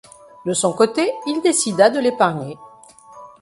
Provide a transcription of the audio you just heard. De son côté, il décida de l'épargner.